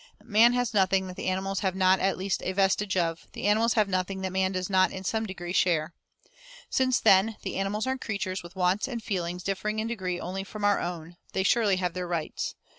Man has nothing that the animals have not at least a vestige of, the animals have nothing that man does not in some degree share. Since, then, the animals are creatures with wants and feelings differing in degree only from our own, they surely have their rights.